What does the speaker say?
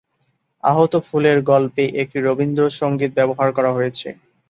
আহত ফুলের গল্পে একটি রবীন্দ্রসঙ্গীত ব্যবহার করা হয়েছে।